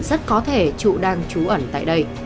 rất có thể trụ đang trú ẩn tại đây